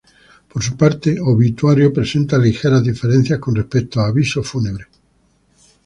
Por su parte obituario presenta ligeras diferencias con respecto a aviso fúnebre.